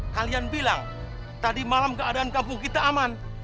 kalian bilang tadi malam keadaan kampung kita aman